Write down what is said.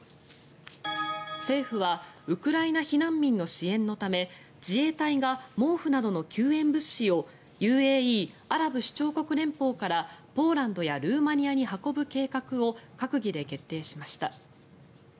政府はウクライナ避難民の支援のため自衛隊が毛布などの救援物資をＵＡＥ・アラブ首長国連邦からポーランドやルーマニアに運ぶ計画を閣議で決定しました。